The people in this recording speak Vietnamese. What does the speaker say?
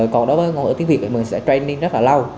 còn đối với ngôn ngữ tiếng việt thì mình sẽ training rất là lâu